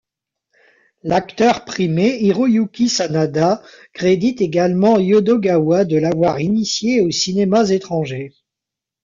L'acteur primé Hiroyuki Sanada crédite également Yodogawa de l'avoir initié aux cinémas étrangers.